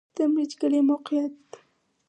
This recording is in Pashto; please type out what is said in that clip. د مريچ کلی موقعیت